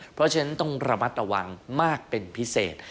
เพราะฉะนั้นต้องระมัดระวังมากเป็นพิเศษ